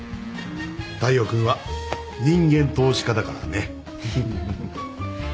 大陽君は人間投資家だからね。